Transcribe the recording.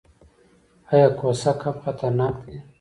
ایا کوسه کب خطرناک دی؟